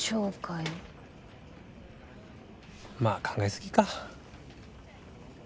まあ考えすぎか。